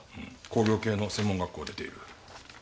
工業系の専門学校を出ている。